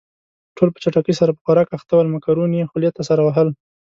ټول په چټکۍ سره په خوراک اخته ول، مکروني يې خولې ته سر وهل.